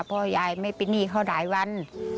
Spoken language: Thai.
พ่อยายไม่เป็นหนี้เขาหลายวัน